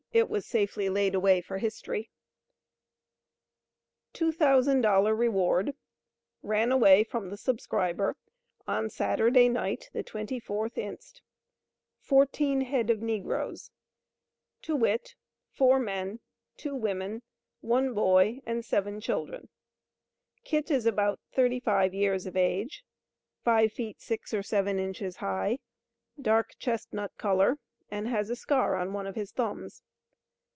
It was safely laid away for history $2,000 REWARD. Ran away from the subscriber on Saturday night, the 24th inst, FOURTEEN HEAD OF NEGROES, viz: Four men, two women, one boy and seven children. KIT is about 35 years of age, five feet six or seven inches high, dark chestnut color, and has a scar on one of his thumbs.